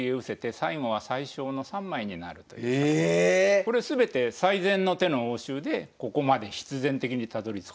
これ全て最善の手の応酬でここまで必然的にたどりつく。